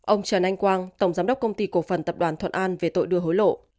ông trần anh quang tổng giám đốc công ty cổ phần tập đoàn thuận an về tội đưa hối lộ